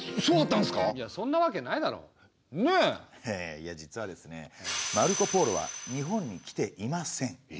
いや実はですねマルコ＝ポーロは日本に来ていません。